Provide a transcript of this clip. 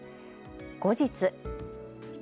後日。